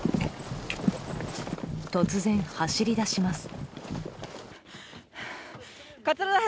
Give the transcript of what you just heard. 突然走り出します。